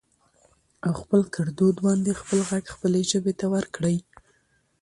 او په خپل ګردود باندې خپل غږ خپلې ژبې ته ورکړٸ